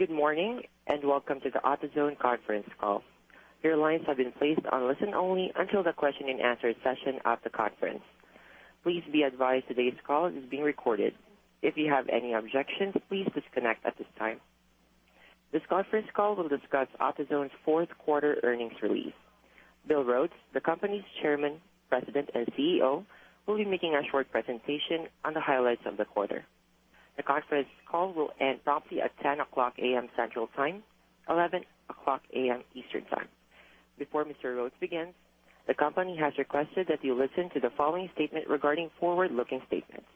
Good morning, and welcome to the AutoZone conference call. Your lines have been placed on listen only until the question and answer session at the conference. Please be advised today's call is being recorded. If you have any objections, please disconnect at this time. This conference call will discuss AutoZone's fourth quarter earnings release. Bill Rhodes, the company's Chairman, President, and CEO, will be making a short presentation on the highlights of the quarter. The conference call will end promptly at 10:00 A.M. Central Time, 11:00 A.M. Eastern Time. Before Mr. Rhodes begins, the company has requested that you listen to the following statement regarding forward-looking statements.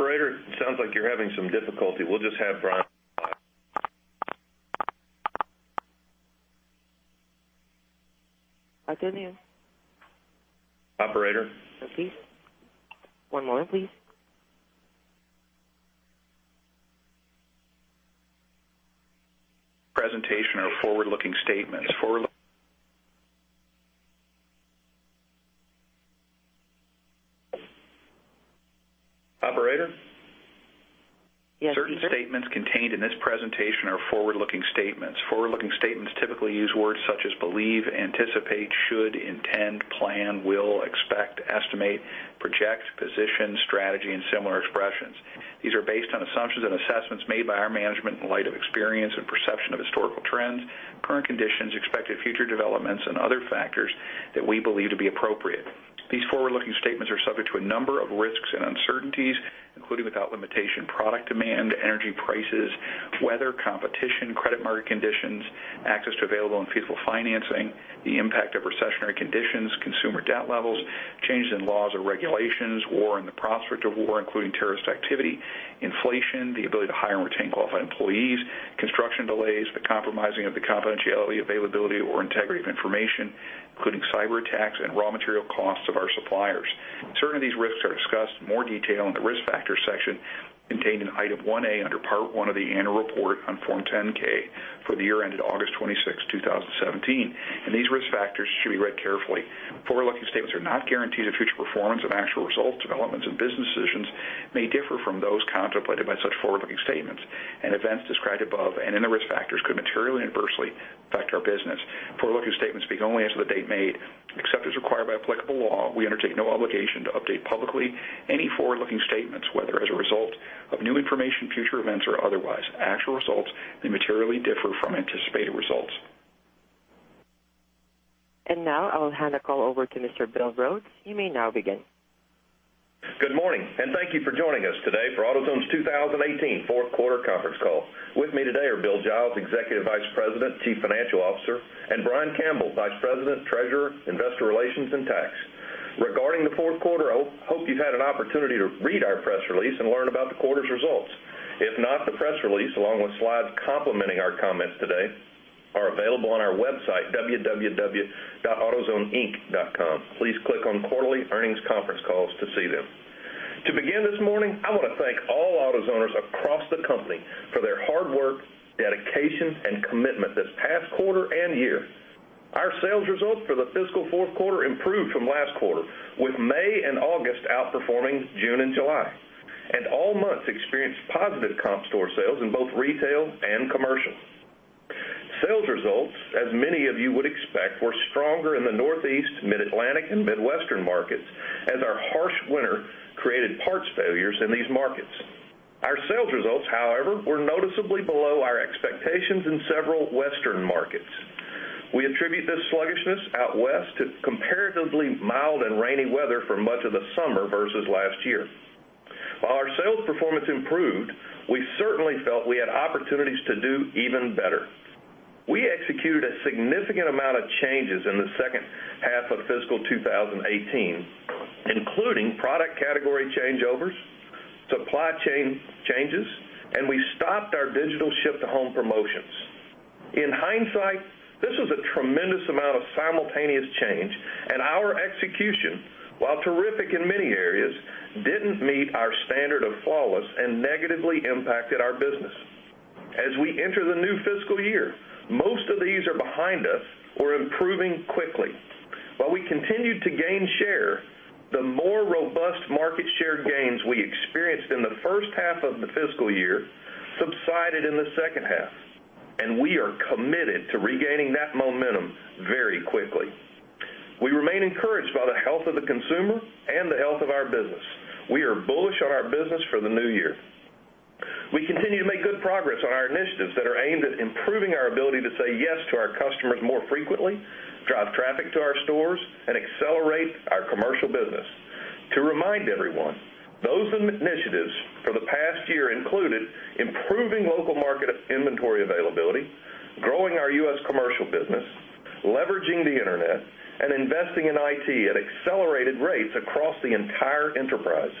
Operator, sounds like you're having some difficulty. We'll just have Brian- Continue. Operator? Okay. One more, please. Presentation are forward-looking statements. Forward-looking- Operator? Yes, sir. Certain statements contained in this presentation are forward-looking statements. Forward-looking statements typically use words such as "believe," "anticipate," "should," "intend," "plan," "will," "expect," "estimate," "project," "position," "strategy," and similar expressions. These are based on assumptions and assessments made by our management in light of experience and perception of historical trends, current conditions, expected future developments, and other factors that we believe to be appropriate. These forward-looking statements are subject to a number of risks and uncertainties, including without limitation, product demand, energy prices, weather, competition, credit market conditions, access to available and feasible financing, the impact of recessionary conditions, consumer debt levels, changes in laws or regulations, war and the prospect of war, including terrorist activity, inflation, the ability to hire and retain qualified employees, construction delays, the compromising of the confidentiality, availability, or integrity of information, including cyberattacks and raw material costs of our suppliers. Certain of these risks are discussed in more detail in the Risk Factors section contained in Item 1A under Part 1 of the annual report on Form 10-K for the year ended August 26th, 2017. These risk factors should be read carefully. Forward-looking statements are not guarantees of future performance of actual results. Developments and business decisions may differ from those contemplated by such forward-looking statements. Events described above and in the risk factors could materially adversely affect our business. Forward-looking statements speak only as of the date made. Except as required by applicable law, we undertake no obligation to update publicly any forward-looking statements, whether as a result of new information, future events, or otherwise. Actual results may materially differ from anticipated results. Now I will hand the call over to Mr. Bill Rhodes. You may now begin. Good morning. Thank you for joining us today for AutoZone's 2018 fourth quarter conference call. With me today are Bill Giles, Executive Vice President, Chief Financial Officer, and Brian Campbell, Vice President, Treasurer, Investor Relations, and Tax. Regarding the fourth quarter, I hope you've had an opportunity to read our press release and learn about the quarter's results. If not, the press release, along with slides complementing our comments today, are available on our website, www.autozoneinc.com. Please click on Quarterly Earnings Conference Calls to see them. To begin this morning, I want to thank all AutoZoners across the company for their hard work, dedication, and commitment this past quarter and year. Our sales results for the fiscal fourth quarter improved from last quarter, with May and August outperforming June and July. All months experienced positive comp store sales in both retail and commercial. Sales results, as many of you would expect, were stronger in the Northeast, Mid-Atlantic, and Midwestern markets, as our harsh winter created parts failures in these markets. Our sales results, however, were noticeably below our expectations in several Western markets. We attribute this sluggishness out West to comparatively mild and rainy weather for much of the summer versus last year. While our sales performance improved, we certainly felt we had opportunities to do even better. We executed a significant amount of changes in the second half of fiscal 2018, including product category changeovers, supply chain changes, and we stopped our digital ship-to-home promotions. In hindsight, this was a tremendous amount of simultaneous change. Our execution, while terrific in many areas, didn't meet our standard of flawless and negatively impacted our business. As we enter the new fiscal year, most of these are behind us or improving quickly. While we continued to gain share, the more robust market share gains we experienced in the first half of the fiscal year subsided in the second half. We are committed to regaining that momentum very quickly. We remain encouraged by the health of the consumer and the health of our business. We are bullish on our business for the new year. We continue to make good progress on our initiatives that are aimed at improving our ability to say yes to our customers more frequently, drive traffic to our stores, and accelerate our commercial business. To remind everyone, those initiatives for the past year included improving local market inventory availability, growing our U.S. commercial business, leveraging the internet, and investing in IT at accelerated rates across the entire enterprise.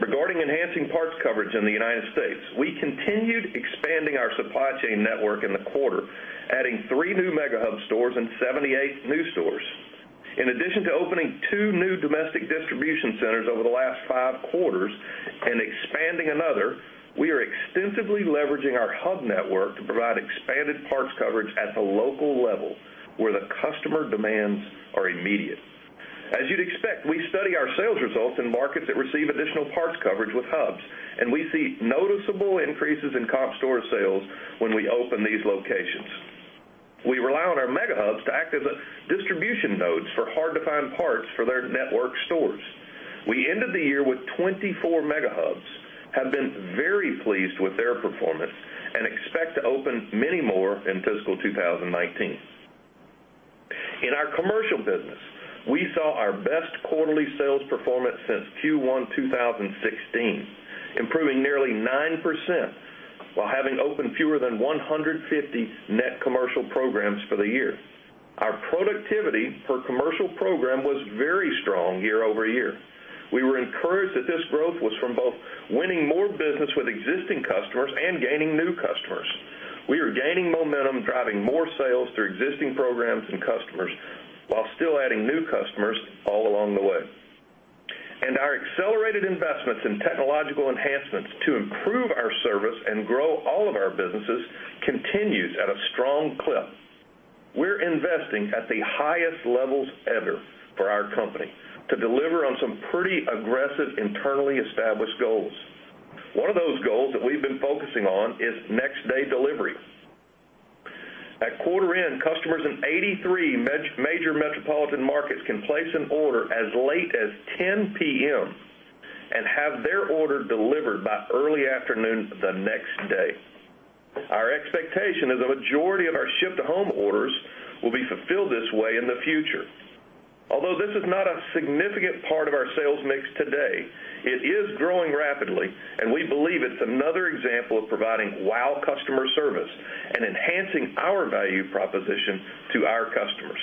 Regarding enhancing parts coverage in the United States, we continued expanding our supply chain network in the quarter, adding three new Mega Hub stores and 78 new stores. In addition to opening two new domestic distribution centers over the last five quarters and expanding another, we are extensively leveraging our Hub network to provide expanded parts coverage at the local level where the customer demands are immediate. As you'd expect, we study our sales results in markets that receive additional parts coverage with Hubs. We see noticeable increases in comp store sales when we open these locations. We rely on our Mega Hubs to act as distribution nodes for hard-to-find parts for their network stores. We ended the year with 24 Mega Hubs, have been very pleased with their performance, and expect to open many more in fiscal 2019. In our commercial business, we saw our best quarterly sales performance since Q1 2016, improving nearly 9% while having opened fewer than 150 net commercial programs for the year. Our productivity per commercial program was very strong year-over-year. We were encouraged that this growth was from both winning more business with existing customers and gaining new customers. We are gaining momentum, driving more sales through existing programs and customers while still adding new customers all along the way. Our accelerated investments in technological enhancements to improve our service and grow all of our businesses continues at a strong clip. We're investing at the highest levels ever for our company to deliver on some pretty aggressive internally established goals. One of those goals that we've been focusing on is next-day delivery. At quarter end, customers in 83 major metropolitan markets can place an order as late as 10:00 P.M. and have their order delivered by early afternoon the next day. Our expectation is the majority of our ship-to-home orders will be fulfilled this way in the future. Although this is not a significant part of our sales mix today, it is growing rapidly, and we believe it's another example of providing wow customer service and enhancing our value proposition to our customers.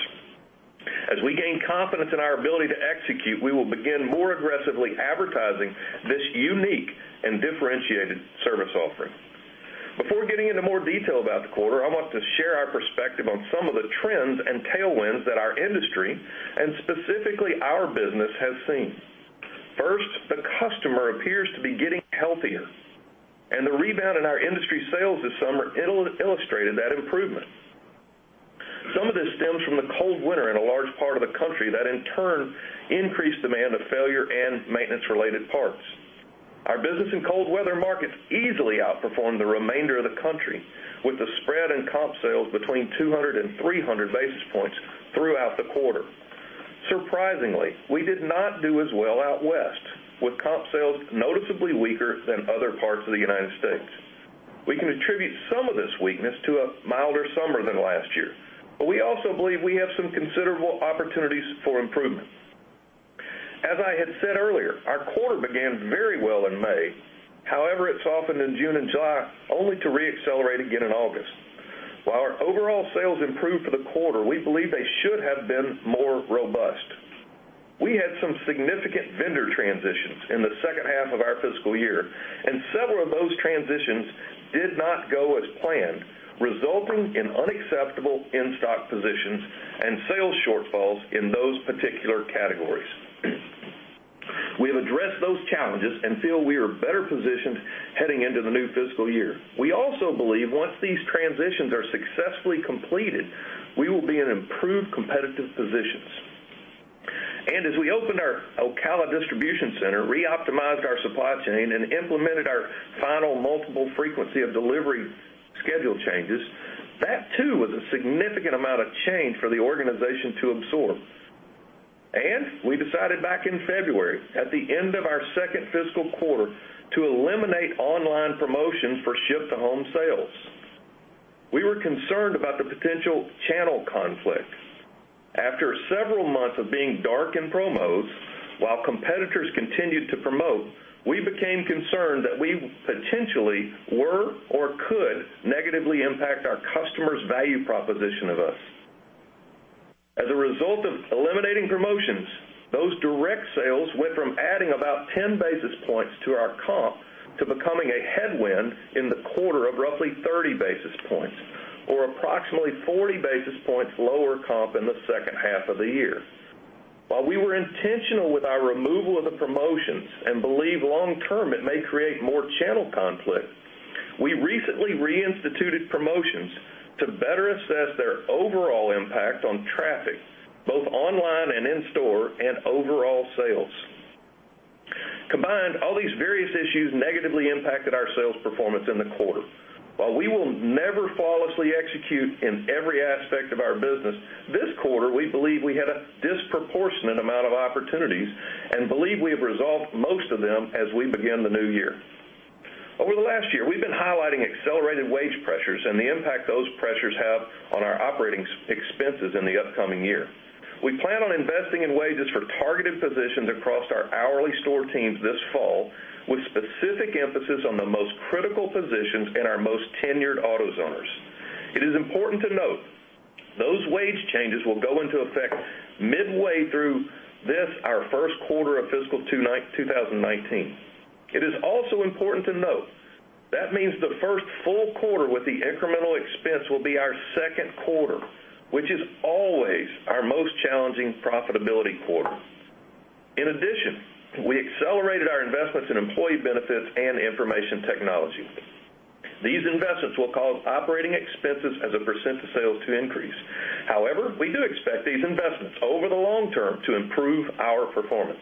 As we gain confidence in our ability to execute, we will begin more aggressively advertising this unique and differentiated service offering. Before getting into more detail about the quarter, I want to share our perspective on some of the trends and tailwinds that our industry and specifically our business has seen. First, the customer appears to be getting healthier, and the rebound in our industry sales this summer illustrated that improvement. Some of this stems from the cold winter in a large part of the country that in turn increased demand of failure and maintenance-related parts. Our business in cold weather markets easily outperformed the remainder of the country with the spread in comp sales between 200 and 300 basis points throughout the quarter. Surprisingly, we did not do as well out West, with comp sales noticeably weaker than other parts of the U.S. We can attribute some of this weakness to a milder summer than last year, but we also believe we have some considerable opportunities for improvement. As I had said earlier, our quarter began very well in May. However, it softened in June and July, only to reaccelerate again in August. While our overall sales improved for the quarter, we believe they should have been more robust. We had some significant vendor transitions in the second half of our fiscal year, and several of those transitions did not go as planned, resulting in unacceptable in-stock positions and sales shortfalls in those particular categories. We have addressed those challenges and feel we are better positioned heading into the new fiscal year. We also believe once these transitions are successfully completed, we will be in improved competitive positions. As we opened our Ocala distribution center, reoptimized our supply chain, and implemented our final multiple frequency of delivery schedule changes, that too was a significant amount of change for the organization to absorb. We decided back in February, at the end of our second fiscal quarter, to eliminate online promotions for ship-to-home sales. We were concerned about the potential channel conflicts. After several months of being dark in promos while competitors continued to promote, we became concerned that we potentially were or could negatively impact our customers' value proposition of us. As a result of eliminating promotions, those direct sales went from adding about 10 basis points to our comp to becoming a headwind in the quarter of roughly 30 basis points or approximately 40 basis points lower comp in the second half of the year. While we were intentional with our removal of the promotions and believe long term it may create more channel conflict, we recently reinstituted promotions to better assess their overall impact on traffic, both online and in store, and overall sales. Combined, all these various issues negatively impacted our sales performance in the quarter. While we will never flawlessly execute in every aspect of our business, this quarter, we believe we had a disproportionate amount of opportunities and believe we have resolved most of them as we begin the new year. Over the last year, we've been highlighting accelerated wage pressures and the impact those pressures have on our operating expenses in the upcoming year. We plan on investing in wages for targeted positions across our hourly store teams this fall, with specific emphasis on the most critical positions and our most tenured AutoZoners. It is important to note, those wage changes will go into effect midway through this, our first quarter of fiscal 2019. It is also important to note, that means the first full quarter with the incremental expense will be our second quarter, which is always our most challenging profitability quarter. In addition, we accelerated our investments in employee benefits and information technology. These investments will cause operating expenses as a percent of sales to increase. However, we do expect these investments over the long term to improve our performance.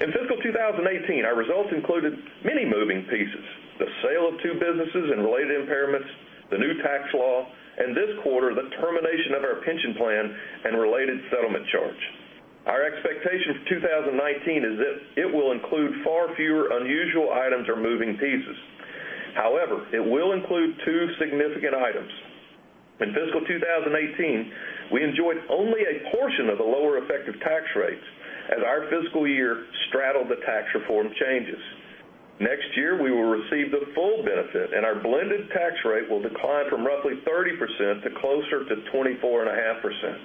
In fiscal 2018, our results included many moving pieces, the sale of two businesses and related impairments, the new tax law, and this quarter, the termination of our pension plan and related settlement charge. Our expectation for 2019 is that it will include far fewer unusual items or moving pieces. However, it will include two significant items. In fiscal 2018, we enjoyed only a portion of the lower effective tax rates as our fiscal year straddled the tax reform changes. Next year, we will receive the full benefit, and our blended tax rate will decline from roughly 30% to closer to 24.5%.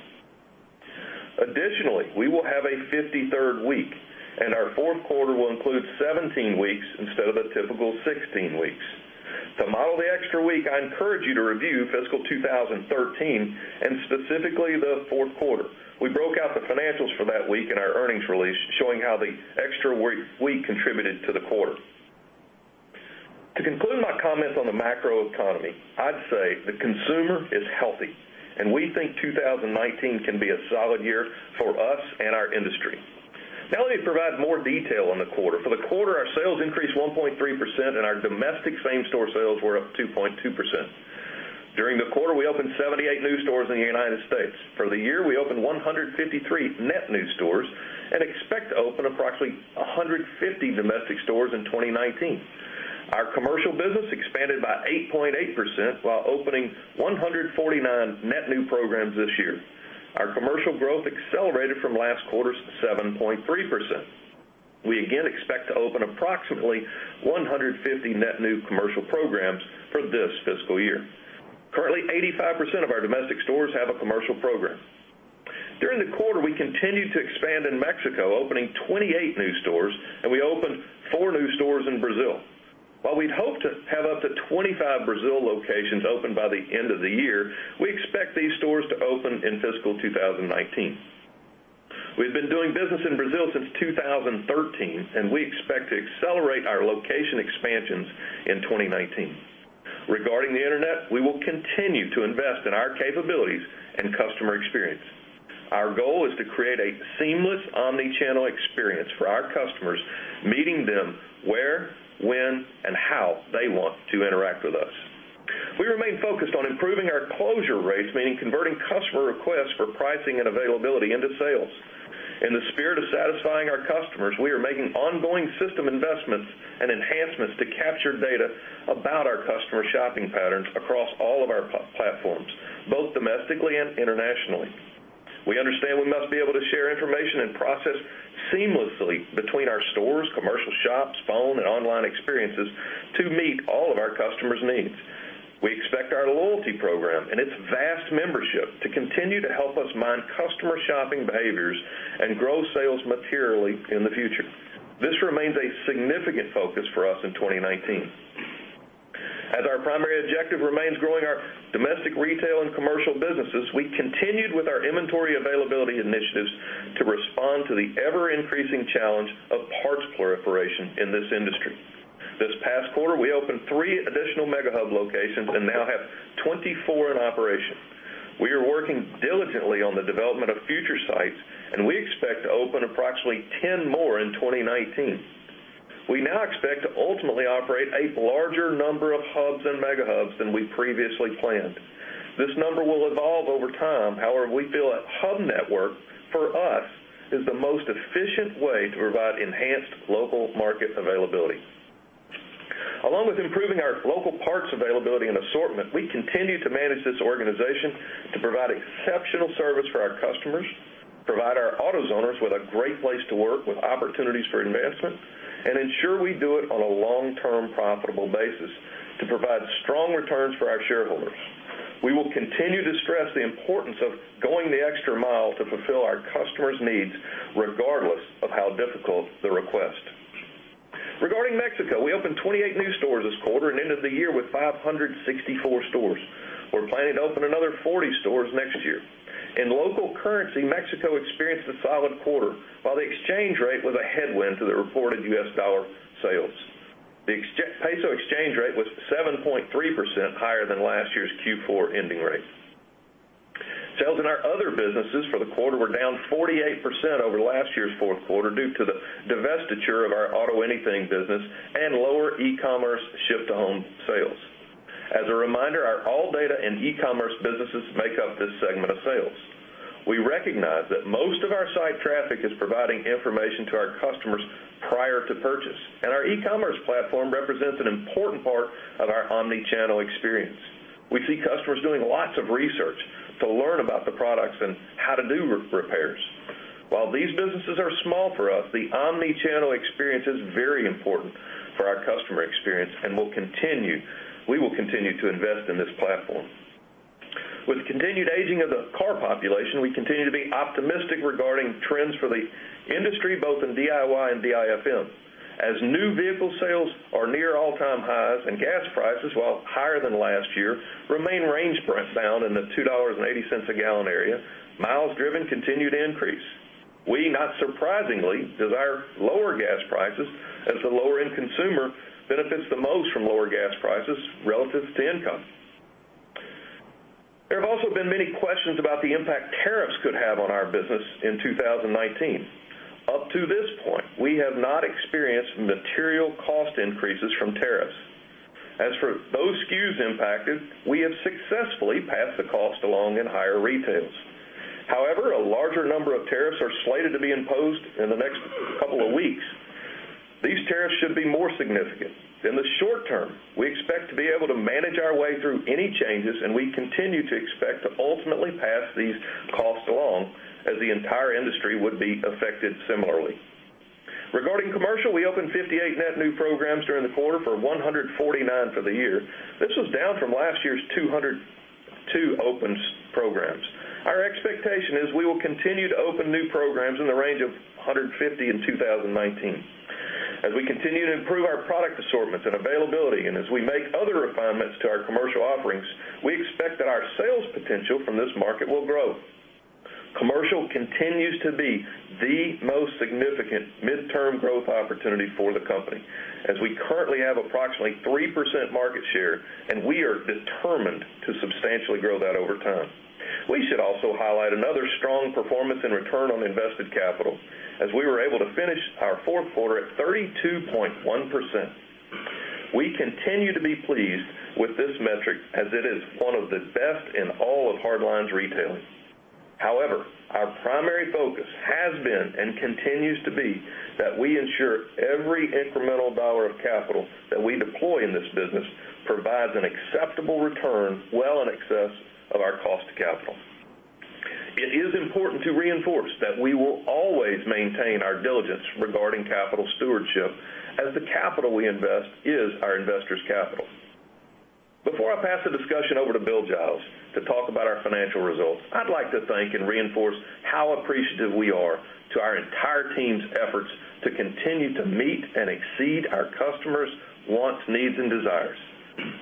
Additionally, we will have a 53rd week, and our fourth quarter will include 17 weeks instead of the typical 16 weeks. To model the extra week, I encourage you to review fiscal 2013, and specifically the fourth quarter. We broke out the financials for that week in our earnings release, showing how the extra week contributed to the quarter. To conclude my comments on the macroeconomy, I'd say the consumer is healthy, and we think 2019 can be a solid year for us and our industry. Now let me provide more detail on the quarter. For the quarter, our sales increased 1.3%, and our domestic same-store sales were up 2.2%. During the quarter, we opened 78 new stores in the United States. For the year, we opened 153 net new stores and expect to open approximately 150 domestic stores in 2019. Our commercial business expanded by 8.8%, while opening 149 net new programs this year. Our commercial growth accelerated from last quarter's 7.3%. We again expect to open approximately 150 net new commercial programs for this fiscal year. Currently, 85% of our domestic stores have a commercial program. During the quarter, we continued to expand in Mexico, opening 28 new stores, and we opened four new stores in Brazil. While we'd hoped to have up to 25 Brazil locations open by the end of the year, we expect these stores to open in fiscal 2019. We've been doing business in Brazil since 2013, and we expect to accelerate our location expansions in 2019. Regarding the internet, we will continue to invest in our capabilities and customer experience. Our goal is to create a seamless omnichannel experience for our customers, meeting them where, when, and how they want to interact with us. We remain focused on improving our closure rates, meaning converting customer requests for pricing and availability into sales. In the spirit of satisfying our customers, we are making ongoing system investments and enhancements to capture data about our customer shopping patterns across all of our platforms, both domestically and internationally. We understand we must be able to share information and process seamlessly between our stores, commercial shops, phone, and online experiences to meet all of our customers' needs. We expect our loyalty program and its vast membership to continue to help us mine customer shopping behaviors and grow sales materially in the future. This remains a significant focus for us in 2019. As our primary objective remains growing our domestic retail and commercial businesses, we continued with our inventory availability initiatives to respond to the ever-increasing challenge of parts proliferation in this industry. This past quarter, we opened three additional Mega Hub locations and now have 24 in operation. We are working diligently on the development of future sites, and we expect to open approximately 10 more in 2019. We now expect to ultimately operate a larger number of Hubs and Mega Hubs than we previously planned. This number will evolve over time. However, we feel a Hub network, for us, is the most efficient way to provide enhanced local market availability. Along with improving our local parts availability and assortment, we continue to manage this organization to provide exceptional service for our customers, provide our AutoZoners with a great place to work with opportunities for advancement, and ensure we do it on a long-term profitable basis to provide strong returns for our shareholders. We will continue to stress the importance of going the extra mile to fulfill our customers' needs, regardless of how difficult the request. Regarding Mexico, we opened 28 new stores this quarter and ended the year with 564 stores. We're planning to open another 40 stores next year. In local currency, Mexico experienced a solid quarter, while the exchange rate was a headwind to the reported US dollar sales. The peso exchange rate was 7.3% higher than last year's Q4 ending rate. Sales in our other businesses for the quarter were down 48% over last year's fourth quarter due to the divestiture of our AutoAnything business and lower e-commerce ship-to-home sales. As a reminder, our ALLDATA and e-commerce businesses make up this segment of sales. We recognize that most of our site traffic is providing information to our customers prior to purchase, and our omnichannel platform represents an important part of our omnichannel experience. We see customers doing lots of research to learn about the products and how to do repairs. While these businesses are small for us, the omnichannel experience is very important for our customer experience, and we will continue to invest in this platform. With the continued aging of the car population, we continue to be optimistic regarding trends for the industry both in DIY and DIFM. As new vehicle sales are near all-time highs and gas prices, while higher than last year, remain range-bound in the $2.80 a gallon area, miles driven continue to increase. We, not surprisingly, desire lower gas prices as the lower-end consumer benefits the most from lower gas prices relative to income. There have also been many questions about the impact tariffs could have on our business in 2019. Up to this point, we have not experienced material cost increases from tariffs. As for those SKUs impacted, we have successfully passed the cost along in higher retails. A larger number of tariffs are slated to be imposed in the next couple of weeks. These tariffs should be more significant. In the short term, we expect to be able to manage our way through any changes, and we continue to expect to ultimately pass these costs along as the entire industry would be affected similarly. Regarding commercial, we opened 58 net new programs during the quarter for 149 for the year. This was down from last year's 202 opened programs. Our expectation is we will continue to open new programs in the range of 150 in 2019. As we continue to improve our product assortments and availability, and as we make other refinements to our commercial offerings, we expect that our sales potential from this market will grow. Commercial continues to be the most significant midterm growth opportunity for the company, as we currently have approximately 3% market share, and we are determined to substantially grow that over time. We should also highlight another strong performance in return on invested capital, as we were able to finish our fourth quarter at 32.1%. We continue to be pleased with this metric as it is one of the best in all of hard lines retailing. However, our primary focus has been and continues to be that we ensure every incremental dollar of capital that we deploy in this business provides an acceptable return well in excess of our cost of capital. It is important to reinforce that we will always maintain our diligence regarding capital stewardship, as the capital we invest is our investors' capital. Before I pass the discussion over to Bill Giles to talk about our financial results, I'd like to thank and reinforce how appreciative we are to our entire team's efforts to continue to meet and exceed our customers' wants, needs, and desires.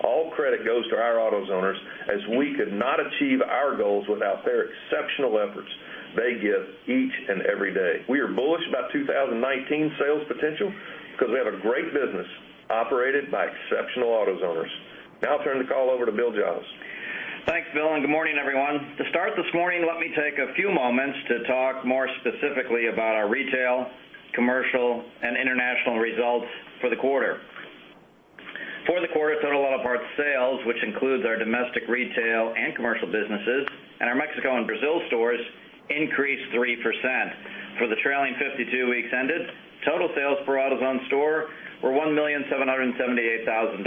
All credit goes to our AutoZoners, as we could not achieve our goals without their exceptional efforts they give each and every day. We are bullish about 2019 sales potential because we have a great business operated by exceptional AutoZoners. Now I'll turn the call over to Bill Giles. Thanks, Bill, and good morning, everyone. To start this morning, let me take a few moments to talk more specifically about our retail, commercial, and international results for the quarter. For the quarter, total auto part sales, which includes our domestic retail and commercial businesses and our Mexico and Brazil stores, increased 3%. For the trailing 52 weeks ended, total sales for AutoZone store were $1,778,000.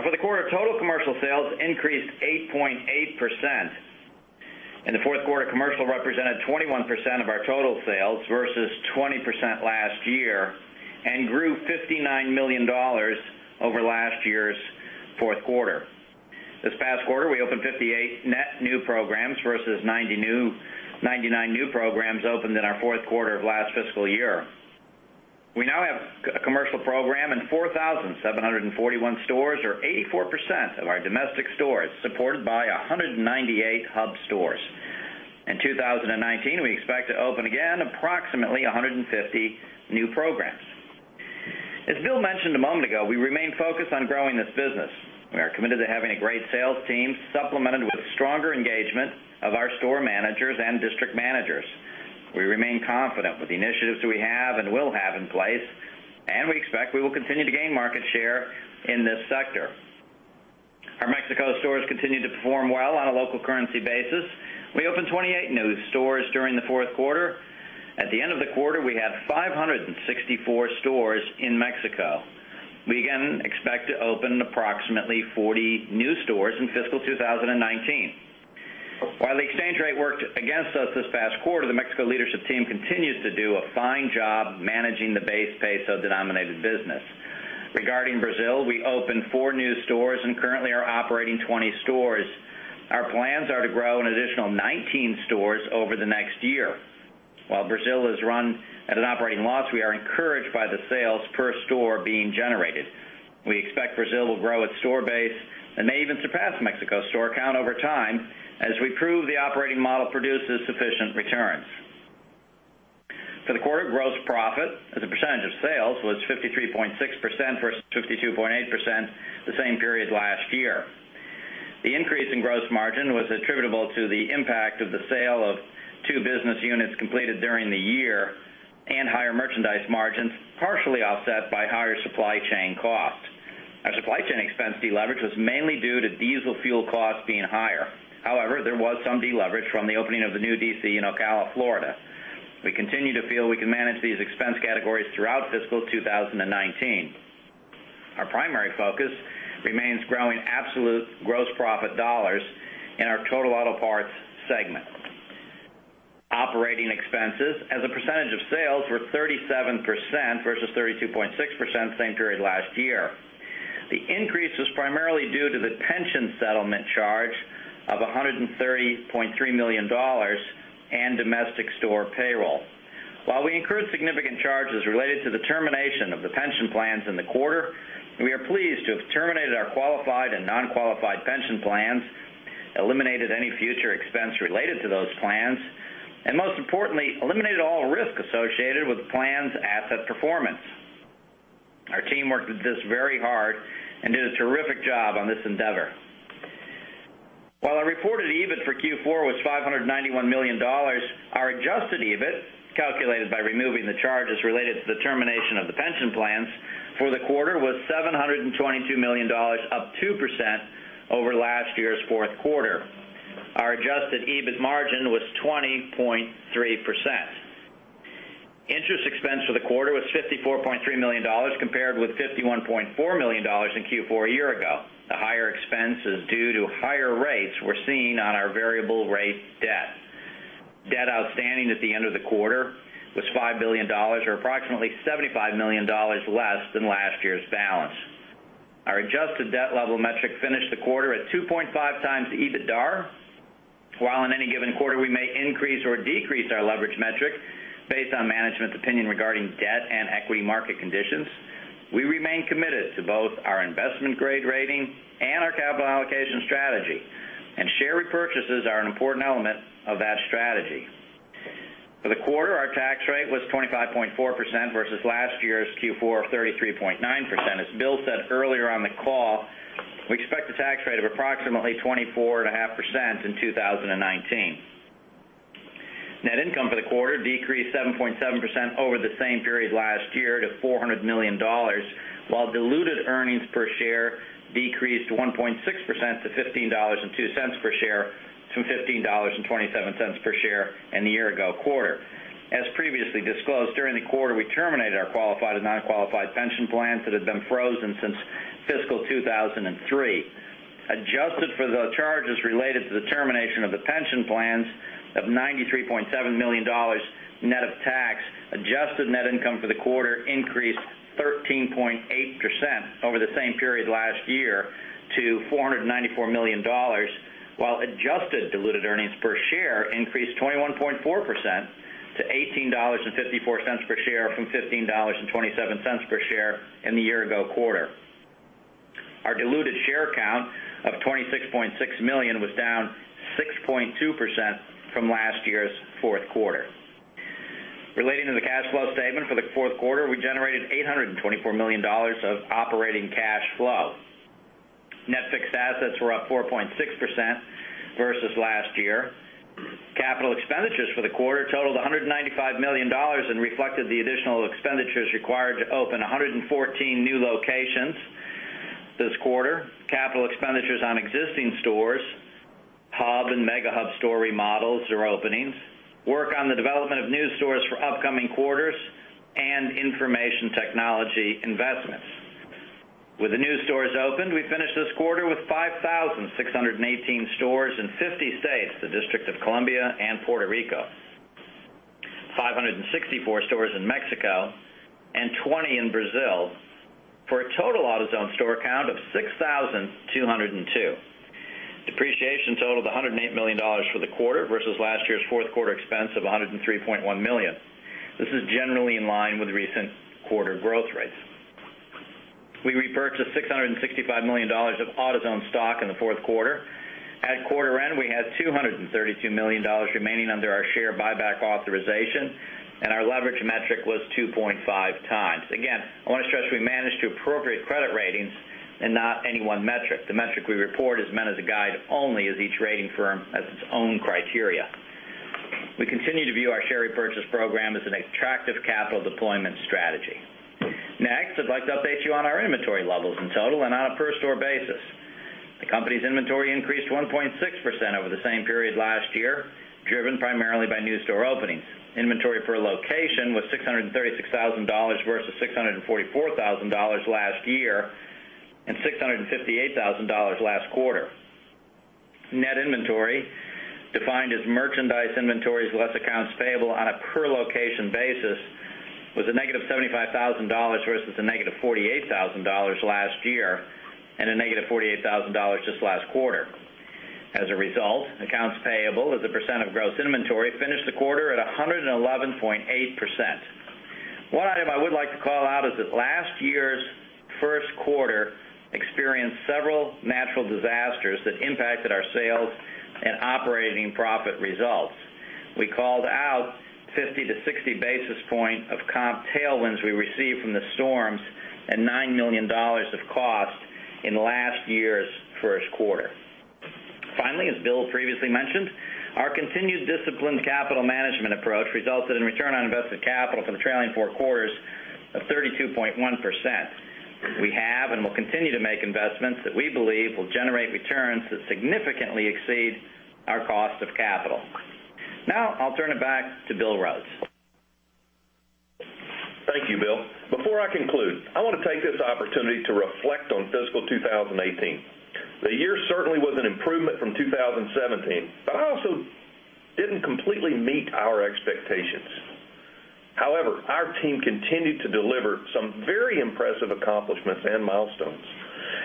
For the quarter, total commercial sales increased 8.8%. In the fourth quarter, commercial represented 21% of our total sales versus 20% last year and grew $59 million over last year's fourth quarter. This past quarter, we opened 58 net new programs versus 99 new programs opened in our fourth quarter of last fiscal year. We now have a commercial program in 4,741 stores or 84% of our domestic stores, supported by 198 Hub stores. In 2019, we expect to open again approximately 150 new programs. As Bill mentioned a moment ago, we remain focused on growing this business. We are committed to having a great sales team supplemented with stronger engagement of our store managers and district managers. We remain confident with the initiatives we have and will have in place, and we expect we will continue to gain market share in this sector. Our Mexico stores continue to perform well on a local currency basis. We opened 28 new stores during the fourth quarter. At the end of the quarter, we had 564 stores in Mexico. We again expect to open approximately 40 new stores in fiscal 2019. While the exchange rate worked against us this past quarter, the Mexico leadership team continues to do a fine job managing the base peso-denominated business. Regarding Brazil, we opened four new stores and currently are operating 20 stores. Our plans are to grow an additional 19 stores over the next year. While Brazil is run at an operating loss, we are encouraged by the sales per store being generated. We expect Brazil will grow its store base and may even surpass Mexico store count over time as we prove the operating model produces sufficient returns. For the quarter, gross profit as a percentage of sales was 53.6% versus 52.8% the same period last year. The increase in gross margin was attributable to the impact of the sale of two business units completed during the year and higher merchandise margins, partially offset by higher supply chain costs. Our supply chain expense deleverage was mainly due to diesel fuel costs being higher. However, there was some deleverage from the opening of the new DC in Ocala, Florida. We continue to feel we can manage these expense categories throughout fiscal 2019. Our primary focus remains growing absolute gross profit dollars in our total auto parts segment. Operating expenses as a percentage of sales were 37% versus 32.6% same period last year. The increase was primarily due to the pension settlement charge of $130.3 million and domestic store payroll. While we incurred significant charges related to the termination of the pension plans in the quarter, we are pleased to have terminated our qualified and non-qualified pension plans, eliminated any future expense related to those plans, and most importantly, eliminated all risk associated with plans asset performance. Our team worked with this very hard and did a terrific job on this endeavor. While our reported EBIT for Q4 was $591 million, our adjusted EBIT, calculated by removing the charges related to the termination of the pension plans for the quarter, was $722 million, up 2% over last year's fourth quarter. Our adjusted EBIT margin was 20.3%. Interest expense for the quarter was $54.3 million, compared with $51.4 million in Q4 a year ago. The higher expense is due to higher rates we're seeing on our variable rate debt. Debt outstanding at the end of the quarter was $5 billion, or approximately $75 million less than last year's balance. Our adjusted debt level metric finished the quarter at 2.5 times the EBITDA. While in any given quarter, we may increase or decrease our leverage metric based on management's opinion regarding debt and equity market conditions, we remain committed to both our investment-grade rating and our capital allocation strategy, share repurchases are an important element of that strategy. For the quarter, our tax rate was 25.4% versus last year's Q4 of 33.9%. As Bill said earlier on the call, we expect a tax rate of approximately 24.5% in 2019. Net income for the quarter decreased 7.7% over the same period last year to $400 million, while diluted earnings per share decreased 1.6% to $15.02 per share from $15.27 per share in the year-ago quarter. As previously disclosed, during the quarter, we terminated our qualified and non-qualified pension plans that had been frozen since fiscal 2003. Adjusted for the charges related to the termination of the pension plans of $93.7 million net of tax, adjusted Net income for the quarter increased 13.8% over the same period last year to $494 million, while adjusted diluted earnings per share increased 21.4% to $18.54 per share from $15.27 per share in the year-ago quarter. Our diluted share count of 26.6 million was down 6.2% from last year's fourth quarter. Relating to the cash flow statement for the fourth quarter, we generated $824 million of operating cash flow. Net fixed assets were up 4.6% versus last year. Capital expenditures for the quarter totaled $195 million and reflected the additional expenditures required to open 114 new locations this quarter. Capital expenditures on existing stores, Hub and Mega Hub store remodels or openings, work on the development of new stores for upcoming quarters, and information technology investments. With the new stores opened, we finished this quarter with 5,618 stores in 50 states, the District of Columbia and Puerto Rico, 564 stores in Mexico and 20 in Brazil, for a total AutoZone store count of 6,202. Depreciation totaled $108 million for the quarter versus last year's fourth quarter expense of $103.1 million. This is generally in line with recent quarter growth rates. We repurchased $665 million of AutoZone stock in the fourth quarter. At quarter end, we had $232 million remaining under our share buyback authorization, our leverage metric was 2.5 times. Again, I want to stress we manage to appropriate credit ratings and not any one metric. The metric we report is meant as a guide only as each rating firm has its own criteria. We continue to view our share repurchase program as an attractive capital deployment strategy. I'd like to update you on our inventory levels in total and on a per store basis. The company's inventory increased 1.6% over the same period last year, driven primarily by new store openings. Inventory per location was $636,000 versus $644,000 last year and $658,000 last quarter. Net inventory, defined as merchandise inventories less accounts payable on a per-location basis, was -$75,000 versus -$48,000 last year and -$48,000 this last quarter. As a result, accounts payable as a percent of gross inventory finished the quarter at 111.8%. One item I would like to call out is that last year's first quarter experienced several natural disasters that impacted our sales and operating profit results. We called out 50 to 60 basis points of comp tailwinds we received from the storms and $9 million of cost in last year's first quarter. As Bill previously mentioned, our continued disciplined capital management approach resulted in return on invested capital for the trailing four quarters of 32.1%. We have and will continue to make investments that we believe will generate returns that significantly exceed our cost of capital. I'll turn it back to Bill Rhodes. Thank you, Bill. Before I conclude, I want to take this opportunity to reflect on fiscal 2018. The year certainly was an improvement from 2017, but also didn't completely meet our expectations. Our team continued to deliver some very impressive accomplishments and milestones.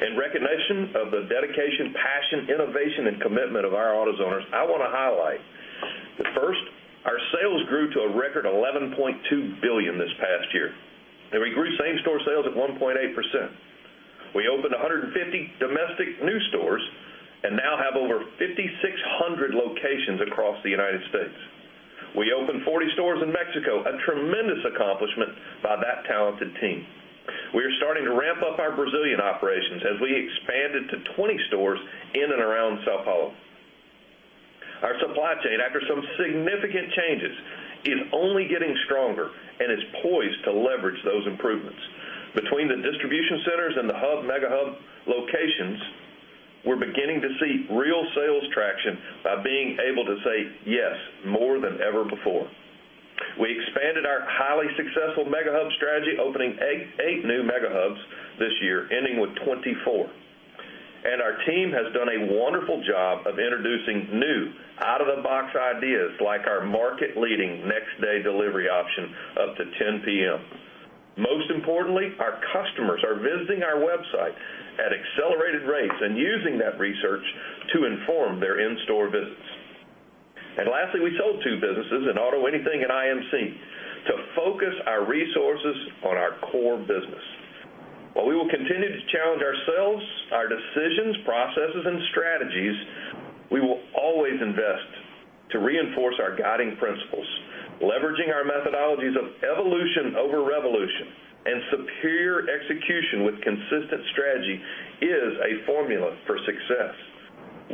In recognition of the dedication, passion, innovation, and commitment of our AutoZoners, I want to highlight that first, our sales grew to a record $11.2 billion this past year, and we grew same-store sales at 1.8%. We opened 150 domestic new stores and now have over 5,600 locations across the U.S. We opened 40 stores in Mexico, a tremendous accomplishment by that talented team. We are starting to ramp up our Brazilian operations as we expanded to 20 stores in and around São Paulo. Our supply chain, after some significant changes, is only getting stronger and is poised to leverage those improvements. Between the distribution centers and the Hub, Mega Hub locations, we're beginning to see real sales traction by being able to say yes more than ever before. We expanded our highly successful Mega Hub strategy, opening 8 new Mega Hubs this year, ending with 24. Our team has done a wonderful job of introducing new out-of-the-box ideas like our market-leading next day delivery option up to 10:00 P.M. Our customers are visiting autozone.com at accelerated rates and using that research to inform their in-store visits. Lastly, we sold 2 businesses, AutoAnything and IMC to focus our resources on our core business. While we will continue to challenge ourselves, our decisions, processes, and strategies, we will always invest to reinforce our guiding principles. Leveraging our methodologies of evolution over revolution and superior execution with consistent strategy is a formula for success.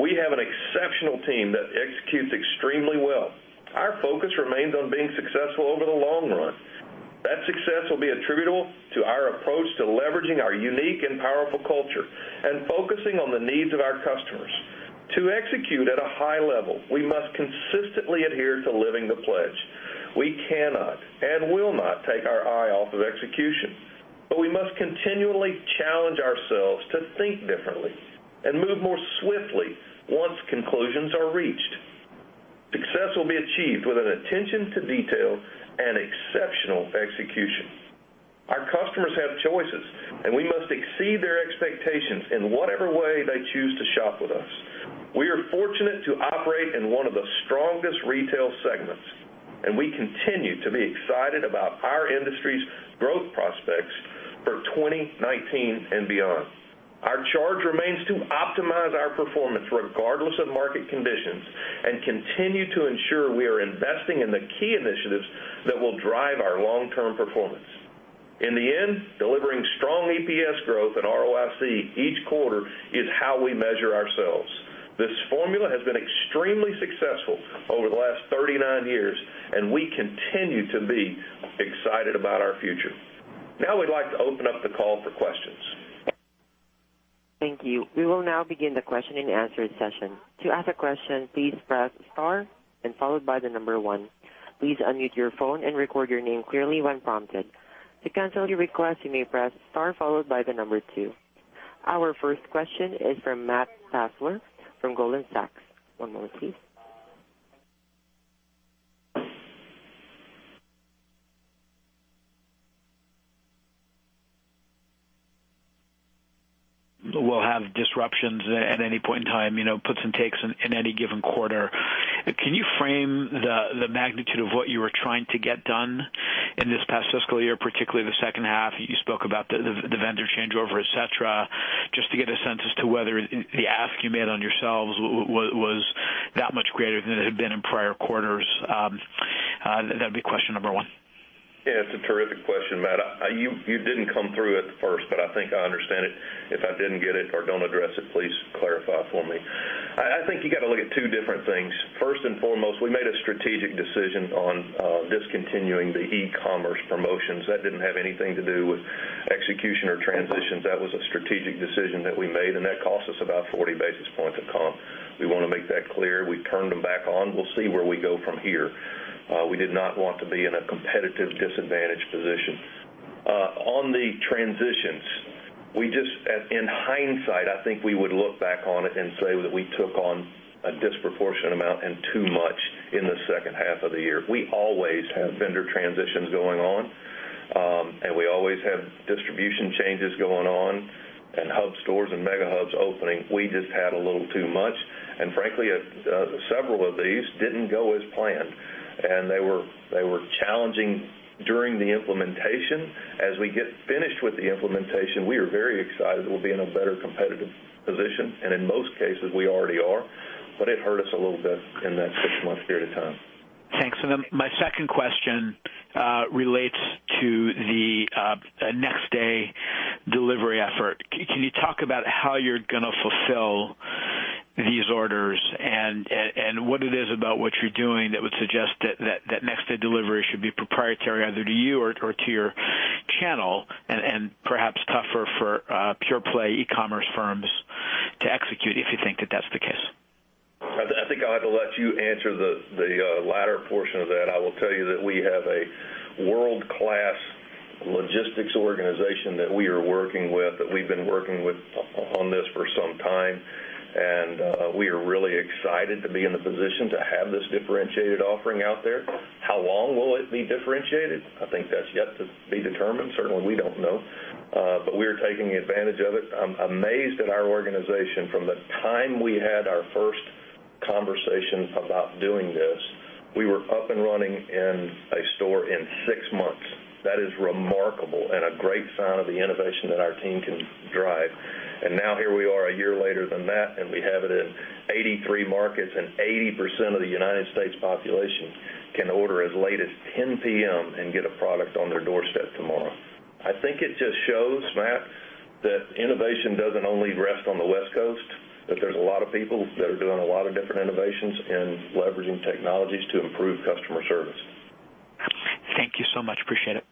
We have an exceptional team that executes extremely well. Our focus remains on being successful over the long run. That success will be attributable to our approach to leveraging our unique and powerful culture and focusing on the needs of our customers. To execute at a high level, we must consistently adhere to Living the Pledge. We cannot and will not take our eye off of execution, but we must continually challenge ourselves to think differently and move more swiftly once conclusions are reached. Success will be achieved with an attention to detail and exceptional execution. Our customers have choices, and we must exceed their expectations in whatever way they choose to shop with us. We are fortunate to operate in one of the strongest retail segments, and we continue to be excited about our industry's growth prospects for 2019 and beyond. Our charge remains to optimize our performance regardless of market conditions, and continue to ensure we are investing in the key initiatives that will drive our long-term performance. In the end, delivering strong EPS growth and ROIC each quarter is how we measure ourselves. This formula has been extremely successful over the last 39 years, and we continue to be excited about our future. Now we'd like to open up the call for questions. Thank you. We will now begin the question and answer session. To ask a question, please press star and followed by the number 1. Please unmute your phone and record your name clearly when prompted. To cancel your request, you may press star followed by the number 2. Our first question is from Matt Fassler from Goldman Sachs. One moment, please. We'll have disruptions at any point in time, puts and takes in any given quarter. Can you frame the magnitude of what you were trying to get done in this past fiscal year, particularly the second half? You spoke about the vendor changeover, et cetera. Just to get a sense as to whether the ask you made on yourselves was that much greater than it had been in prior quarters. That'd be question number 1. It's a terrific question, Matt. You didn't come through at first, but I think I understand it. If I didn't get it or don't address it, please clarify for me. I think you got to look at two different things. First and foremost, we made a strategic decision on discontinuing the e-commerce promotions. That didn't have anything to do with execution or transitions. That was a strategic decision that we made, and that cost us about 40 basis points of comp. We want to make that clear. We turned them back on. We'll see where we go from here. We did not want to be in a competitive disadvantaged position. On the transitions, we just, in hindsight, I think we would look back on it and say that we took on a disproportionate amount and too much in the second half of the year. We always have vendor transitions going on, we always have distribution changes going on and Hub stores and Mega Hubs opening. We just had a little too much. Frankly, several of these didn't go as planned, and they were challenging during the implementation. As we get finished with the implementation, we are very excited that we'll be in a better competitive position, and in most cases we already are, but it hurt us a little bit in that six-month period of time. Thanks. Then my second question relates to the next day delivery effort. Can you talk about how you're going to fulfill these orders and what it is about what you're doing that would suggest that next day delivery should be proprietary either to you or to your channel and perhaps tougher for pure play e-commerce firms to execute, if you think that that's the case? I think I'll have to let you answer the latter portion of that. I will tell you that we have a world-class logistics organization that we are working with, that we've been working with on this for some time, we are really excited to be in the position to have this differentiated offering out there. How long will it be differentiated? I think that's yet to be determined. Certainly, we don't know. We are taking advantage of it. I'm amazed at our organization. From the time we had our first conversation about doing this, we were up and running in a store in six months. That is remarkable and a great sign of the innovation that our team can drive. Now here we are, a year later than that, and we have it in 83 markets, and 80% of the United States population can order as late as 10:00 P.M. and get a product on their doorstep tomorrow. I think it just shows, Matt, that innovation doesn't only rest on the West Coast, that there's a lot of people that are doing a lot of different innovations and leveraging technologies to improve customer service. Thank you so much. Appreciate it.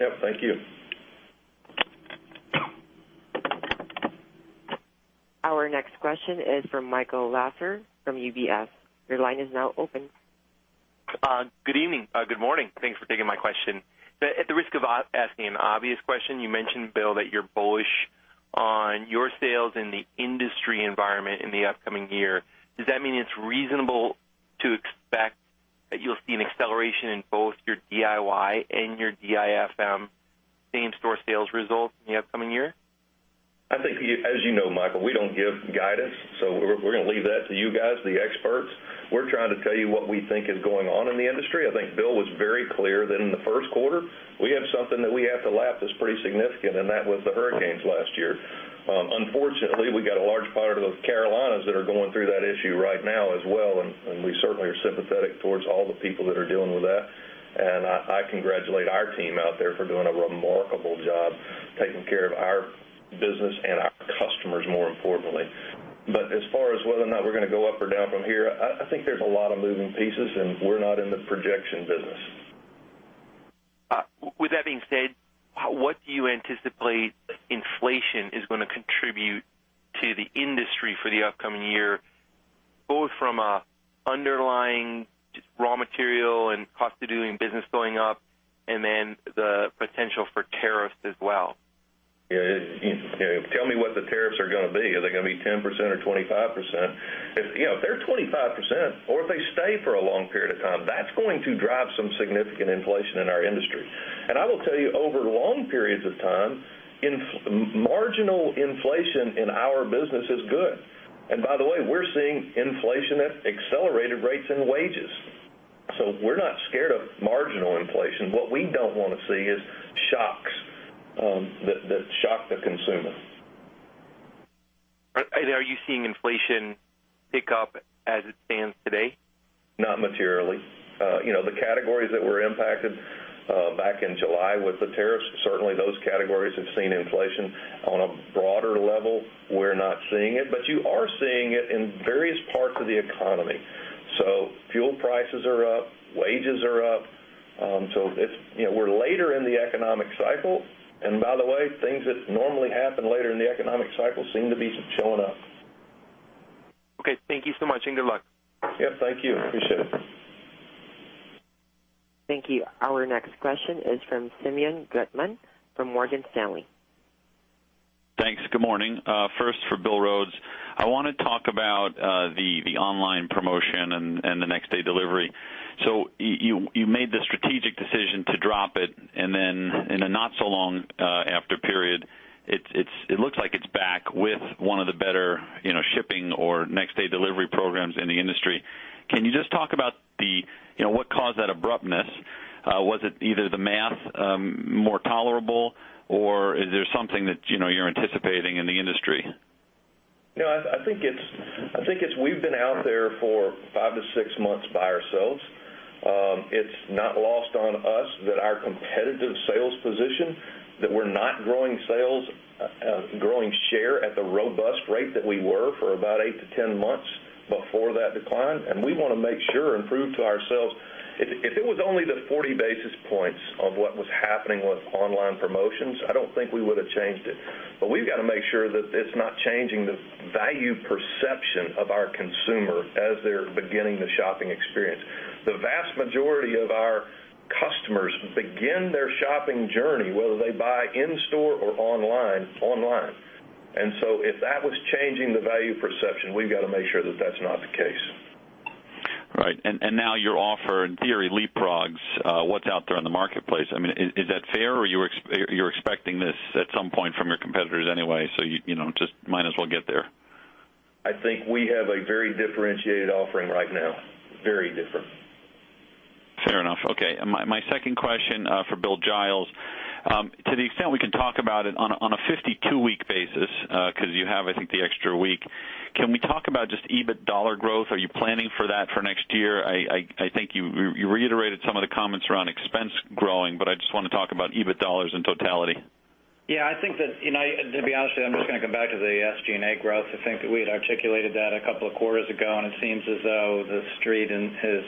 Yep, thank you. Our next question is from Michael Lasser from UBS. Your line is now open. Good evening. Good morning. Thanks for taking my question. At the risk of asking an obvious question, you mentioned, Bill, that you're bullish on your sales in the industry environment in the upcoming year. Does that mean it's reasonable to expect that you'll see an acceleration in both your DIY and your DIFM same-store sales results in the upcoming year? I think as you know, Michael, we don't give guidance, so we're going to leave that to you guys, the experts. We're trying to tell you what we think is going on in the industry. I think Bill was very clear that in the first quarter, we have something that we have to lap that's pretty significant, and that was the hurricanes last year. Unfortunately, we got a large part of the Carolinas that are going through that issue right now as well, and we certainly are sympathetic towards all the people that are dealing with that. I congratulate our team out there for doing a remarkable job taking care of our business and our customers, more importantly. As far as whether or not we're going to go up or down from here, I think there's a lot of moving pieces, and we're not in the projection business. With that being said, what do you anticipate inflation is going to contribute to the industry for the upcoming year, both from a underlying raw material and cost of doing business going up and then the potential for tariffs as well? Tell me what the tariffs are going to be. Are they going to be 10% or 25%? If they're 25%, or if they stay for a long period of time, that's going to drive some significant inflation in our industry. I will tell you, over long periods of time, marginal inflation in our business is good. By the way, we're seeing inflation at accelerated rates in wages. We're not scared of marginal inflation. What we don't want to see is shocks that shock the consumer. Are you seeing inflation pick up as it stands today? Not materially. The categories that were impacted back in July with the tariffs, certainly those categories have seen inflation. On a broader level, we're not seeing it, but you are seeing it in various parts of the economy. Fuel prices are up, wages are up. We're later in the economic cycle, by the way, things that normally happen later in the economic cycle seem to be showing up. Okay. Thank you so much, and good luck. Yep, thank you. Appreciate it. Thank you. Our next question is from Simeon Gutman from Morgan Stanley. Thanks. Good morning. First for Bill Rhodes. I want to talk about the online promotion and the next day delivery. You made the strategic decision to drop it, and then in a not so long after period, it looks like it's back with one of the better shipping or next day delivery programs in the industry. Can you just talk about what caused that abruptness? Was it either the math more tolerable or is there something that you're anticipating in the industry? I think it's we've been out there for five to six months by ourselves. It's not lost on us that our competitive sales position, that we're not growing share at the robust rate that we were for about eight to 10 months before that decline. We want to make sure and prove to ourselves. If it was only the 40 basis points of what was happening with online promotions, I don't think we would have changed it. We've got to make sure that it's not changing the value perception of our consumer as they're beginning the shopping experience. The vast majority of our customers begin their shopping journey, whether they buy in-store or online. If that was changing the value perception, we've got to make sure that that's not the case. Right. Now your offer, in theory, leapfrogs what's out there in the marketplace. Is that fair or you're expecting this at some point from your competitors anyway, so you just might as well get there? I think we have a very differentiated offering right now. Very different. Fair enough. Okay. My second question for Bill Giles. To the extent we can talk about it on a 52-week basis, because you have, I think, the extra week, can we talk about just EBIT dollar growth? Are you planning for that for next year? I just want to talk about EBIT dollars in totality. Yeah, to be honest with you, I'm just going to come back to the SGA growth. I think that we had articulated that a couple of quarters ago, and it seems as though The Street has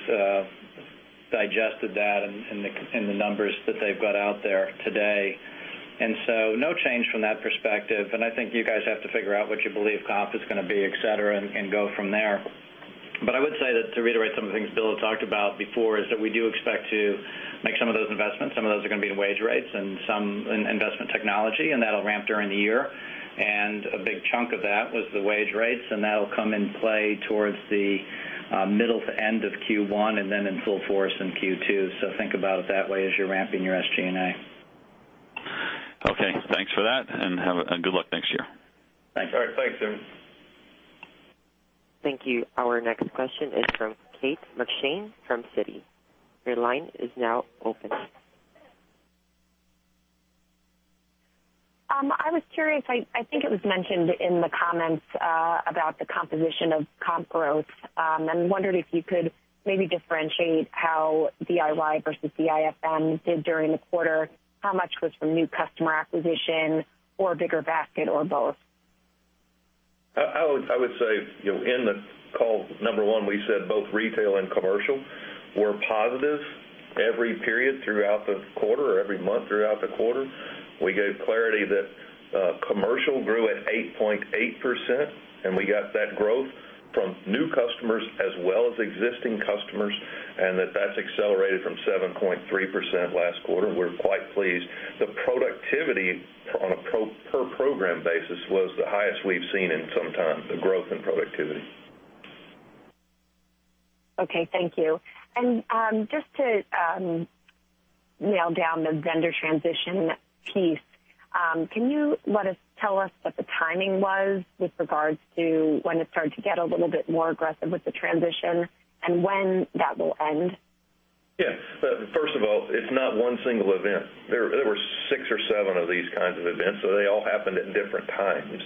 digested that in the numbers that they've got out there today. No change from that perspective. I think you guys have to figure out what you believe comp is going to be, et cetera, and go from there. I would say that to reiterate some of the things Bill had talked about before, is that we do expect to make some of those investments. Some of those are going to be in wage rates and some in investment technology, and that'll ramp during the year. A big chunk of that was the wage rates, and that'll come in play towards the middle to end of Q1 and then in full force in Q2. Think about it that way as you're ramping your SGA. Okay. Thanks for that, and good luck next year. Thanks. All right. Thanks, Sim. Thank you. Our next question is from Kate McShane from Citi. Your line is now open. I was curious, I think it was mentioned in the comments about the composition of comp growth, and wondered if you could maybe differentiate how DIY versus DIFM did during the quarter, how much was from new customer acquisition or bigger basket or both? I would say, in the call, number one, we said both retail and commercial were positive every period throughout the quarter or every month throughout the quarter. We gave clarity that commercial grew at 8.8%, and we got that growth from new customers as well as existing customers, and that that's accelerated from 7.3% last quarter. We're quite pleased. The productivity on a per program basis was the highest we've seen in some time, the growth in productivity. Okay. Thank you. Just to nail down the vendor transition piece, can you tell us what the timing was with regards to when it started to get a little bit more aggressive with the transition and when that will end? First of all, it's not one single event. There were six or seven of these kinds of events, they all happened at different times.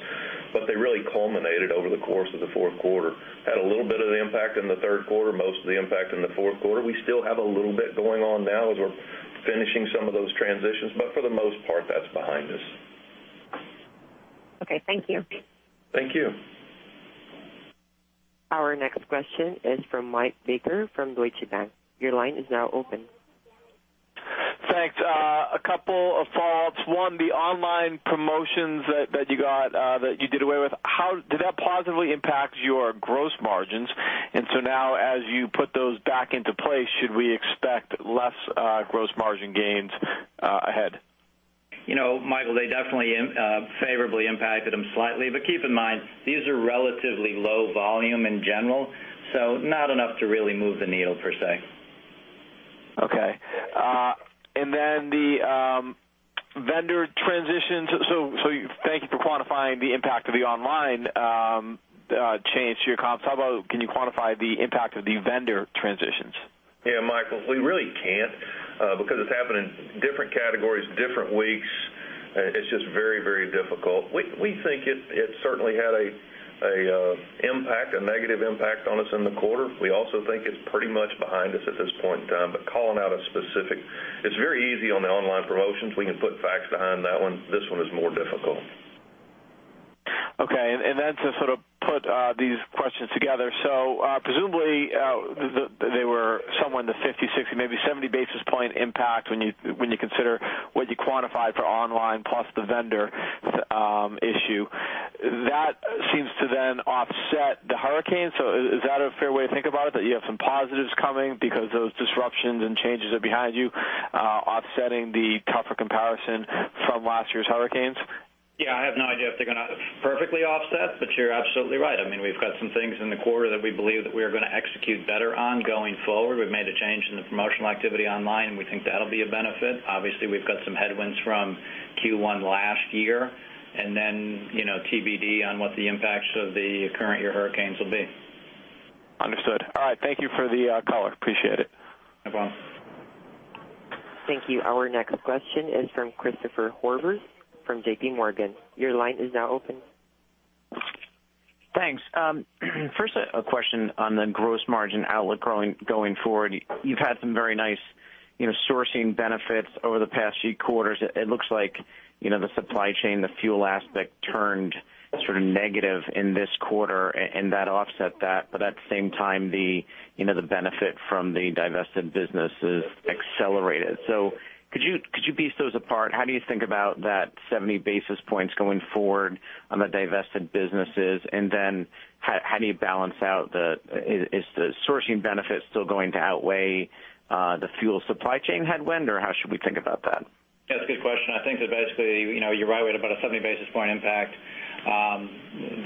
They really culminated over the course of the fourth quarter. Had a little bit of impact in the third quarter, most of the impact in the fourth quarter. We still have a little bit going on now as we're finishing some of those transitions, for the most part, that's behind us. Okay. Thank you. Thank you. Our next question is from Michael Baker from Deutsche Bank. Your line is now open. Thanks. A couple of follow-ups. One, the online promotions that you did away with, did that positively impact your gross margins? Now, as you put those back into place, should we expect less gross margin gains ahead? Michael, they definitely favorably impacted them slightly. Keep in mind, these are relatively low volume in general, not enough to really move the needle per se. Okay. The vendor transitions. Thank you for quantifying the impact of the online change to your comps. How about can you quantify the impact of the vendor transitions? Yeah, Michael, we really can't because it's happened in different categories, different weeks. It's just very difficult. We think it certainly had a negative impact on us in the quarter. We also think it's pretty much behind us at this point in time. Calling out a specific It's very easy on the online promotions. We can put facts behind that one. This one is more difficult. Okay. To sort of put these questions together. Presumably, they were somewhere in the 50, 60, maybe 70 basis point impact when you consider what you quantified for online plus the vendor issue. That seems to then offset the hurricane. Is that a fair way to think about it, that you have some positives coming because those disruptions and changes are behind you offsetting the tougher comparison from last year's hurricanes? Yeah, I have no idea if they're going to perfectly offset, but you're absolutely right. We've got some things in the quarter that we believe that we are going to execute better on going forward. We've made a change in the promotional activity online, and we think that'll be a benefit. Obviously, we've got some headwinds from Q1 last year, and then TBD on what the impacts of the current year hurricanes will be. Understood. All right. Thank you for the color. Appreciate it. No problem. Thank you. Our next question is from Christopher Horvers from JPMorgan. Your line is now open. Thanks. First, a question on the gross margin outlook going forward. You've had some very nice sourcing benefits over the past few quarters. It looks like the supply chain, the fuel aspect turned sort of negative in this quarter and that offset that. At the same time, the benefit from the divested businesses accelerated. Could you piece those apart? How do you think about that 70 basis points going forward on the divested businesses? How do you balance out Is the sourcing benefit still going to outweigh the fuel supply chain headwind, or how should we think about that? That's a good question. I think that basically, you're right, we had about a 70 basis point impact